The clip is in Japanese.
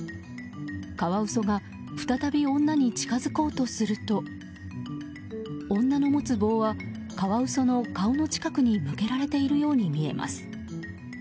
カワウソが再び女に近づこうとすると女の持つ棒はカワウソの顔の近くに向けられているように見えます。